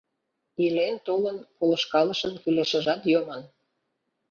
Илен-толын, полышкалышын кӱлешыжат йомын.